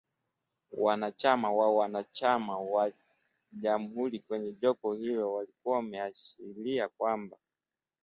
Wanachama wa wa chama wa jamhuri kwenye jopo hilo walikuwa wameashiria kwamba